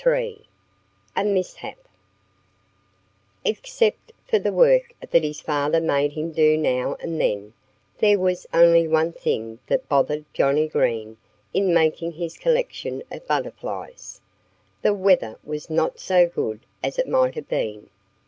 III A MISHAP EXCEPT for the work that his father made him do now and then, there was only one thing that bothered Johnnie Green in making his collection of butterflies. The weather was not so good as it might have been.